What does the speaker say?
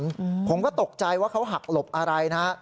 อืมผมก็ตกใจว่าเขาหักหลบอะไรนะฮะ